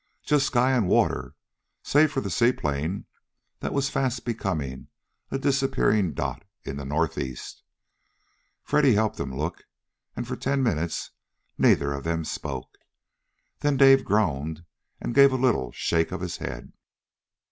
Just sky and water, save for the seaplane that was fast becoming a disappearing dot in the northeast. Freddy helped him look, and for ten minutes neither of them spoke. Then Dave groaned and gave a little shake of his head.